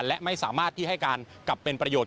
และไม่สามารถที่ให้การกลับเป็นประโยชน